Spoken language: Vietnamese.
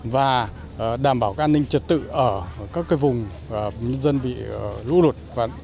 và đảm bảo an ninh trật tự ở các vùng dân bị lũ lụt